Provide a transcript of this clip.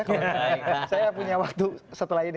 saya punya waktu setelah ini